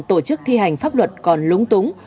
tổ chức thi hành pháp luật còn lúng túng